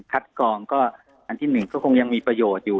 กองก็อันที่หนึ่งก็คงยังมีประโยชน์อยู่